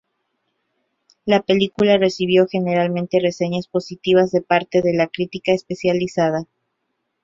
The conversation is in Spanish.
La película recibió generalmente reseñas positivas de parte de la crítica especializada.